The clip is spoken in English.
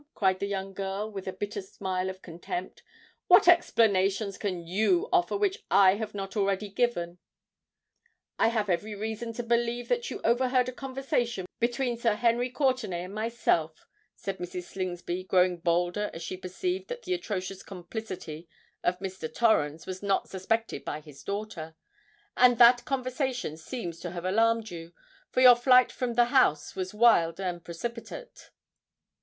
cried the young girl, with a bitter smile of contempt. "What explanations can you offer which I have not already given?" "I have every reason to believe that you overheard a conversation between Sir Henry Courtenay and myself," said Mrs. Slingsby, growing bolder as she perceived that the atrocious complicity of Mr. Torrens was not suspected by his daughter; "and that conversation seems to have alarmed you—for your flight from the house was wild and precipitate."